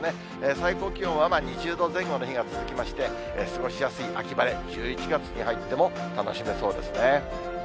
最高気温は２０度前後の日が続きまして、過ごしやすい秋晴れ、１１月に入っても楽しめそうですね。